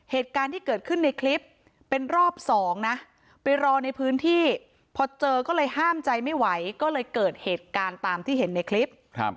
เหตุการณ์ที่เกิดขึ้นในคลิปเป็นรอบสองนะไปรอในพื้นที่พอเจอก็เลยห้ามใจไม่ไหวก็เลยเกิดเหตุการณ์ตามที่เห็นในคลิป